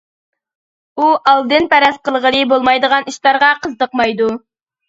ئۇ ئالدىن پەرەز قىلغىلى بولمايدىغان ئىشلارغا قىزىقمايدۇ.